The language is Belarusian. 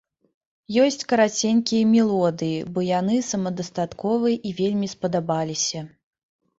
Ёсць караценькія мелодыі, бо яны самадастатковыя і вельмі спадабаліся.